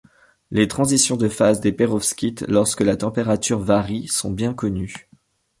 Les transitions de phase des pérovskites lorsque la température varie sont bien connues.